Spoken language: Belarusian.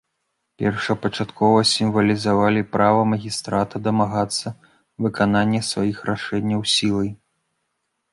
Першапачаткова сімвалізавалі права магістрата дамагацца выканання сваіх рашэнняў сілай.